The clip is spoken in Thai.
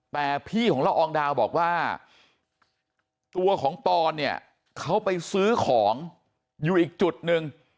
แต่พี่ของละอองดาวบอกว่าตัวของปอนเนี่ยเขาไปซื้อของอยู่อีกจุดหนึ่ง